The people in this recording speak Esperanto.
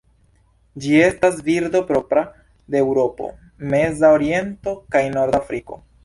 Ĝi estas birdo propra de Eŭropo, Meza Oriento kaj Norda Afriko.